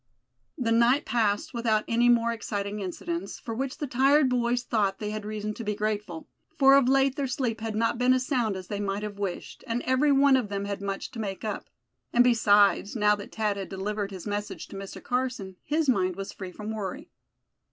The night passed without any more exciting incidents, for which the tired boys thought they had reason to be grateful; for of late their sleep had not been as sound as they might have wished, and every one of them had much to make up. And besides, now that Thad had delivered his message to Mr. Carson, his mind was free from worry.